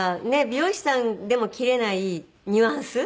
美容師さんでも切れないニュアンス？